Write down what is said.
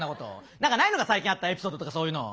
何かないのか最近あったエピソードとかそういうの。